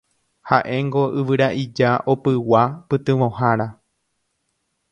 Haʼéngo yvyraʼija opygua pytyvõhára.